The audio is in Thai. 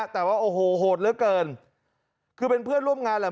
แต่ว่าโอ้โหโหดเหลือเกินคือเป็นเพื่อนร่วมงานแหละ